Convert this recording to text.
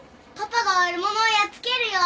パパが悪者をやっつけるよ！